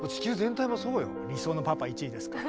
理想のパパ１位ですから。